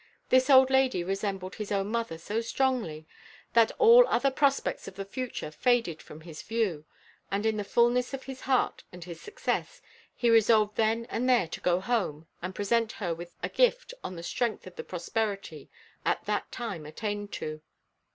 This old lady resembled his own mother so strongly, that all other prospects of the future faded from his view, and in the fulness of his heart and his success, he resolved then and there to go home and present her with a gift on the strength of the prosperity at that time attained to.